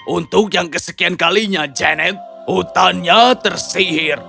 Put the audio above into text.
untuk yang kesekian kalinya janet hutannya tersihir